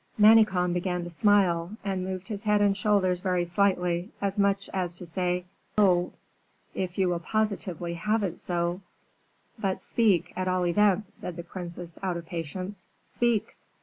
Manicamp began to smile, and moved his head and shoulders very slightly, as much as to say, "Oh, if you will positively have it so " "But speak, at all events," said the princess, out of patience; "speak!"